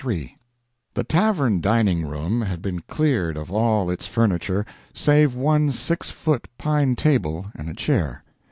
III The tavern dining room had been cleared of all its furniture save one six foot pine table and a chair.